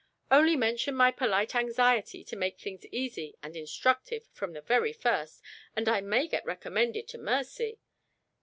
Only mention my polite anxiety to make things easy and instructive from the very first, and I may get recommended to mercy.